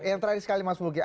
yang terakhir sekali mas muluky